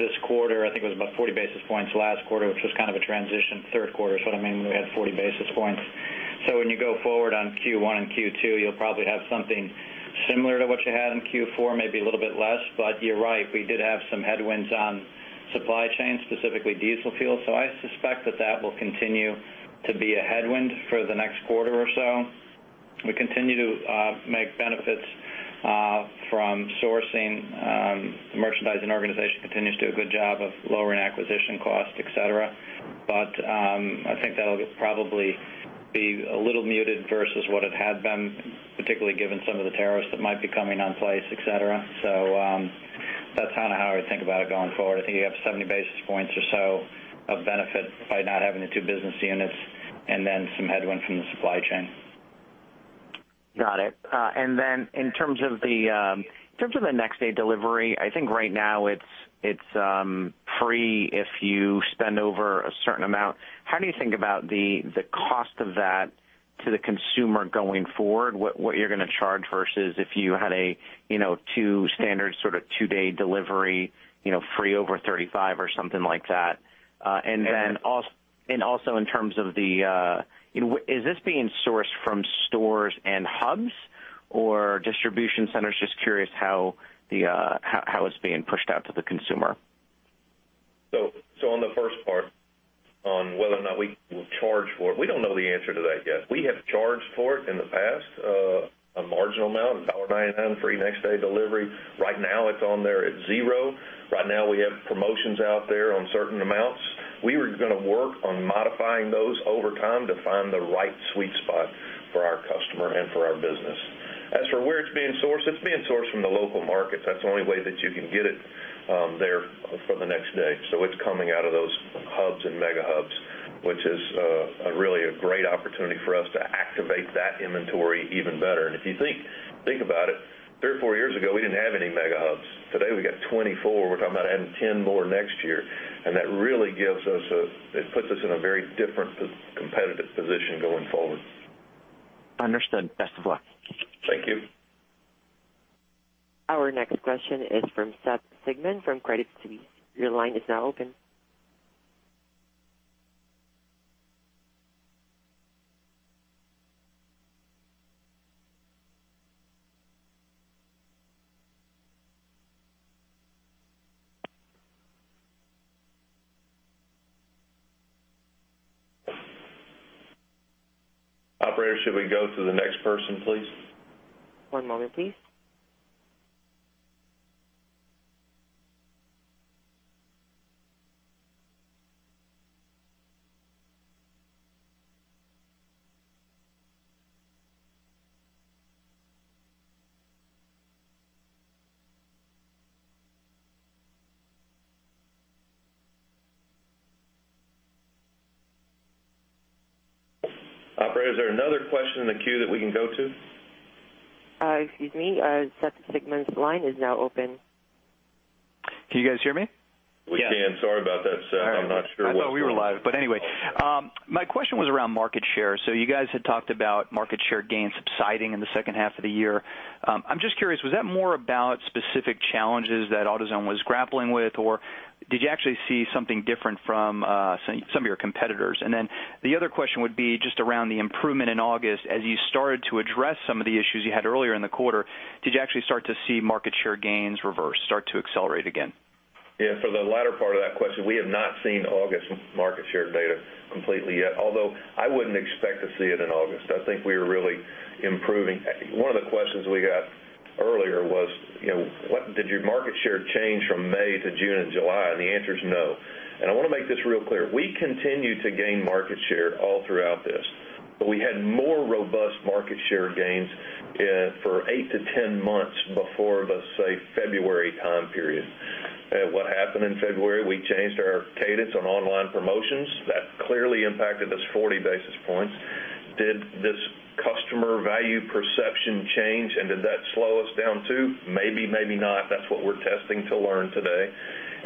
this quarter. I think it was about 40 basis points last quarter, which was kind of a transition third quarter sort of mainly we had 40 basis points. When you go forward on Q1 and Q2, you'll probably have something similar to what you had in Q4, maybe a little bit less. You're right, we did have some headwinds on supply chain, specifically diesel fuel. I suspect that that will continue to be a headwind for the next quarter or so. We continue to make benefits from sourcing. Merchandising organization continues to do a good job of lowering acquisition costs, et cetera. I think that'll probably be a little muted versus what it had been, particularly given some of the tariffs that might be coming on place, et cetera. That's how I would think about it going forward. I think you have 70 basis points or so of benefit by not having the 2 business units and then some headwind from the supply chain. Got it. In terms of the next day delivery, I think right now it's free if you spend over a certain amount. How do you think about the cost of that to the consumer going forward? What you're going to charge versus if you had 2 standard sort of 2-day delivery, free over $35 or something like that. In terms of, is this being sourced from stores and Hubs or distribution centers? Just curious how it's being pushed out to the consumer. On the first part on whether or not we will charge for it. We don't know the answer to that yet. We have charged for it in the past, a marginal amount, $1.99 free next day delivery. Right now it's on there at $0. Right now we have promotions out there on certain amounts. We were going to work on modifying those over time to find the right sweet spot for our customer and for our business. As for where it's being sourced, it's being sourced from the local markets. That's the only way that you can get it there for the next day. It's coming out of those Hubs and Mega Hubs, which is really a great opportunity for us to activate that inventory even better. If you think about it, 3 or 4 years ago, we didn't have any Mega Hubs. Today we got 24. We're talking about adding 10 more next year. That really puts us in a very different competitive position going forward. Understood. Best of luck. Thank you. Our next question is from Seth Sigman from Credit Suisse. Your line is now open. Operator, should we go to the next person, please? One moment, please. Operator, is there another question in the queue that we can go to? Excuse me. Seth Sigman's line is now open. Can you guys hear me? We can. Sorry about that, Seth. I'm not sure. Anyway, my question was around market share. You guys had talked about market share gains subsiding in the second half of the year. I'm just curious, was that more about specific challenges that AutoZone was grappling with, or did you actually see something different from some of your competitors? The other question would be just around the improvement in August. As you started to address some of the issues you had earlier in the quarter, did you actually start to see market share gains reverse, start to accelerate again? Yeah, for the latter part of that question, we have not seen August market share data completely yet, although I wouldn't expect to see it in August. I think we are really improving. One of the questions we got earlier was, did your market share change from May to June and July? The answer is no. I want to make this real clear. We continue to gain market share all throughout this, but we had more robust market share gains for eight to 10 months before the, say, February time period. What happened in February? We changed our cadence on online promotions. That clearly impacted us 40 basis points. Did this customer value perception change and did that slow us down, too? Maybe, maybe not. That's what we're testing to learn today.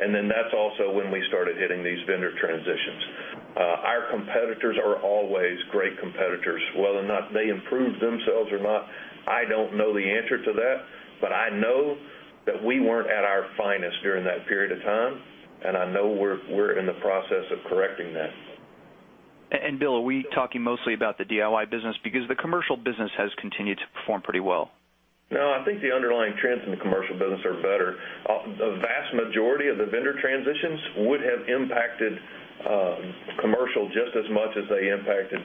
That's also when we started hitting these vendor transitions. Our competitors are always great competitors. Whether or not they improved themselves or not, I don't know the answer to that, but I know that we weren't at our finest during that period of time, and I know we're in the process of correcting that. Bill, are we talking mostly about the DIY business because the commercial business has continued to perform pretty well. No, I think the underlying trends in the commercial business are better. The vast majority of the vendor transitions would have impacted commercial just as much as they impacted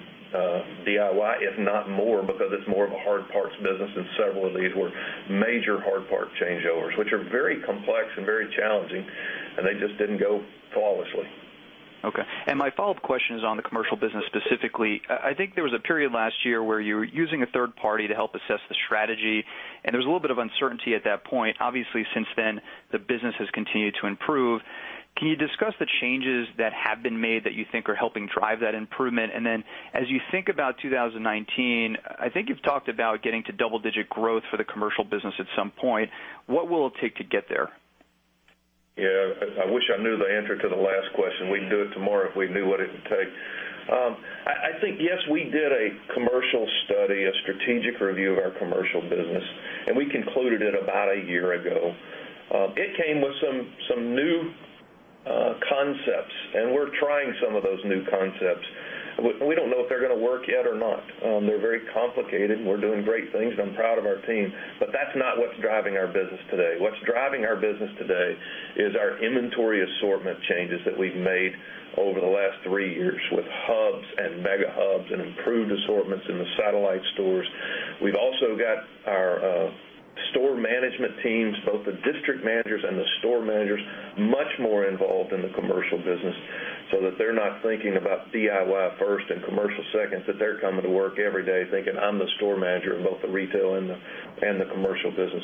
DIY, if not more, because it's more of a hard parts business and several of these were major hard part changeovers, which are very complex and very challenging, and they just didn't go flawlessly. Okay. My follow-up question is on the commercial business specifically. I think there was a period last year where you were using a third party to help assess the strategy, and there was a little bit of uncertainty at that point. Obviously, since then, the business has continued to improve. Can you discuss the changes that have been made that you think are helping drive that improvement? Then as you think about 2019, I think you've talked about getting to double-digit growth for the commercial business at some point. What will it take to get there? Yeah, I wish I knew the answer to the last question. We'd do it tomorrow if we knew what it would take. I think, yes, we did a commercial study, a strategic review of our commercial business, and we concluded it about a year ago. It came with some new concepts, and we're trying some of those new concepts. We don't know if they're going to work yet or not. They're very complicated. We're doing great things, and I'm proud of our team, but that's not what's driving our business today. What's driving our business today is our inventory assortment changes that we've made over the last three years with Hubs and Mega Hubs and improved assortments in the satellite stores. We've also got our store management teams, both the district managers and the store managers, much more involved in the commercial business so that they're not thinking about DIY first and commercial second, that they're coming to work every day thinking, "I'm the store manager in both the retail and the commercial business."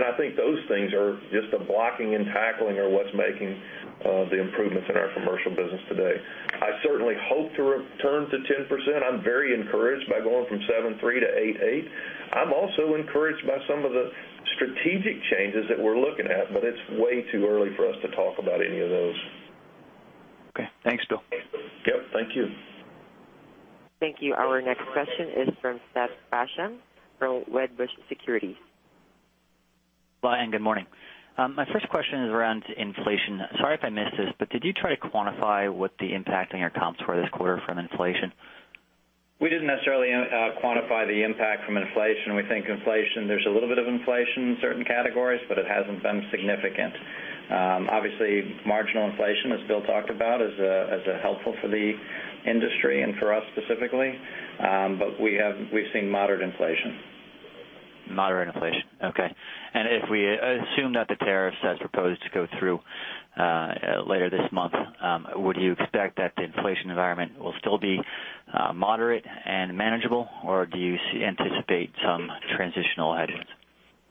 I think those things are just the blocking and tackling of what's making the improvements in our commercial business today. I certainly hope to return to 10%. I'm very encouraged by going from 7.3% to 8.8%. I'm also encouraged by some of the strategic changes that we're looking at, but it's way too early for us to talk about any of those. Okay. Thanks, Bill. Yep. Thank you. Thank you. Our next question is from Seth Basham from Wedbush Securities. Hi, good morning. My first question is around inflation. Sorry if I missed this, but did you try to quantify what the impact on your comps were this quarter from inflation? We didn't necessarily quantify the impact from inflation. We think inflation, there's a little bit of inflation in certain categories, but it hasn't been significant. Obviously, marginal inflation, as Bill talked about, is helpful for the industry and for us specifically. We've seen moderate inflation. Moderate inflation. Okay. If we assume that the tariffs, as proposed, go through later this month, would you expect that the inflation environment will still be moderate and manageable, or do you anticipate some transitional headwinds?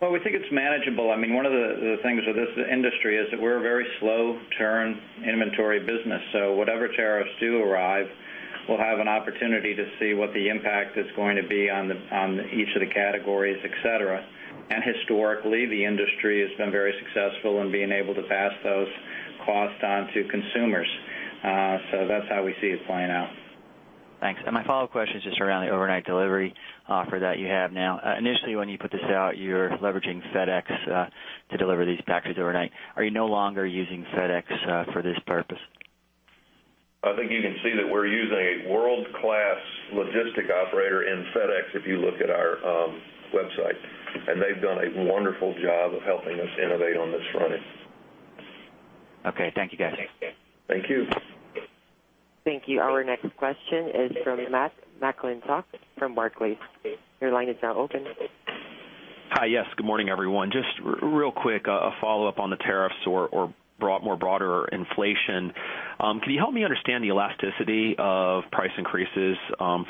Well, we think it's manageable. One of the things with this industry is that we're a very slow-turn inventory business, whatever tariffs do arrive, we'll have an opportunity to see what the impact is going to be on each of the categories, et cetera. Historically, the industry has been very successful in being able to pass those costs on to consumers. That's how we see it playing out. Thanks. My follow-up question is just around the overnight delivery offer that you have now. Initially, when you put this out, you were leveraging FedEx to deliver these packages overnight. Are you no longer using FedEx for this purpose? I think you can see that we're using a world-class logistic operator in FedEx if you look at our website, they've done a wonderful job of helping us innovate on this front. Okay. Thank you, guys. Thank you. Thank you. Our next question is from Matt McClintock from Barclays. Your line is now open. Hi. Yes, good morning, everyone. Just real quick, a follow-up on the tariffs or more broader inflation. Can you help me understand the elasticity of price increases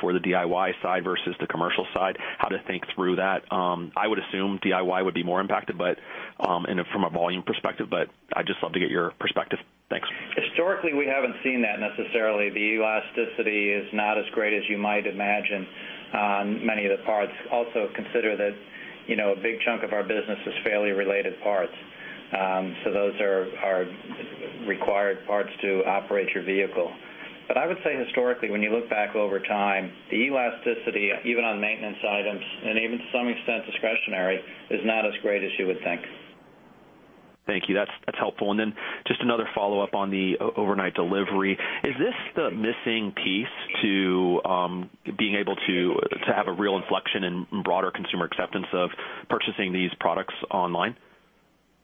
for the DIY side versus the commercial side, how to think through that? I would assume DIY would be more impacted from a volume perspective, but I'd just love to get your perspective. Thanks. Historically, we haven't seen that necessarily. The elasticity is not as great as you might imagine on many of the parts. Also consider that a big chunk of our business is failure-related parts. Those are required parts to operate your vehicle. I would say historically, when you look back over time, the elasticity, even on maintenance items and even to some extent discretionary, is not as great as you would think. Thank you. That's helpful. Just another follow-up on the overnight delivery. Is this the missing piece to being able to have a real inflection in broader consumer acceptance of purchasing these products online?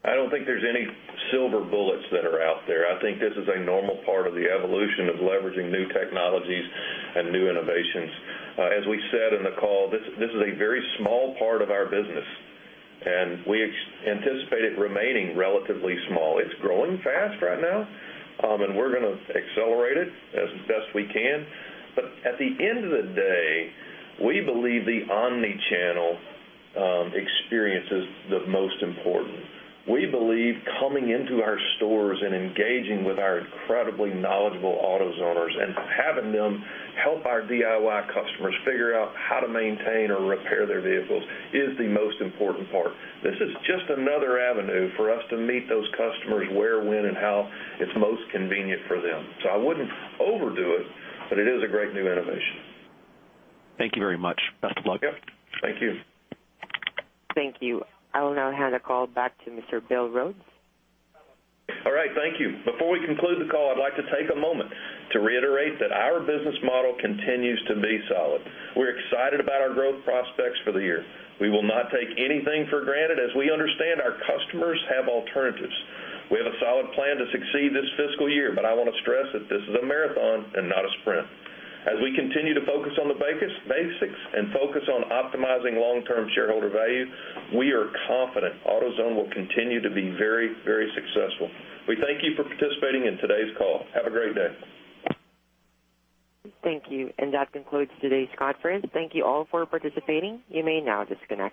I don't think there's any silver bullets that are out there. I think this is a normal part of the evolution of leveraging new technologies and new innovations. As we said in the call, this is a very small part of our business, and we anticipate it remaining relatively small. It's growing fast right now, and we're going to accelerate it as best we can. At the end of the day, we believe the omnichannel experience is the most important. We believe coming into our stores and engaging with our incredibly knowledgeable AutoZoners and having them help our DIY customers figure out how to maintain or repair their vehicles is the most important part. This is just another avenue for us to meet those customers where, when, and how it's most convenient for them. I wouldn't overdo it, but it is a great new innovation. Thank you very much. Best of luck. Yep. Thank you. Thank you. I will now hand the call back to Mr. Bill Rhodes. All right. Thank you. Before we conclude the call, I'd like to take a moment to reiterate that our business model continues to be solid. We're excited about our growth prospects for the year. We will not take anything for granted as we understand our customers have alternatives. We have a solid plan to succeed this fiscal year, but I want to stress that this is a marathon and not a sprint. As we continue to focus on the basics and focus on optimizing long-term shareholder value, we are confident AutoZone will continue to be very, very successful. We thank you for participating in today's call. Have a great day. Thank you. That concludes today's conference. Thank you all for participating. You may now disconnect.